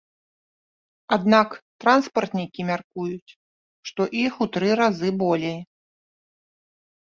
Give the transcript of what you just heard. Аднак транспартнікі мяркуюць, што іх у тры разы болей.